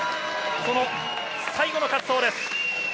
その最後の滑走です。